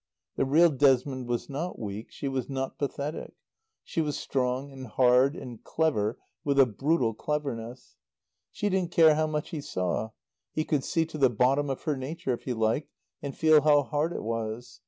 The real Desmond was not weak, she was not pathetic. She was strong and hard and clever with a brutal cleverness. She didn't care how much he saw. He could see to the bottom of her nature, if he liked, and feel how hard it was.